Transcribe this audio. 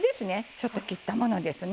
ちょっと切ったものですね。